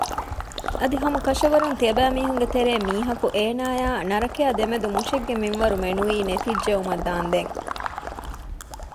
އަދި ހަމަކަށަވަރުން ތިޔަބައިމީހުންގެ ތެރެއިން މީހަކު އޭނާއާއި ނަރަކައާ ދެމެދު މުށެއްގެ މިންވަރު މެނުވީ ނެތިއްޖައުމަށް ދާންދެން